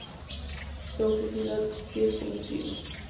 Toxicidad: Si es comestible